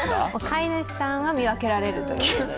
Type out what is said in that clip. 飼い主さんは見分けられるということで。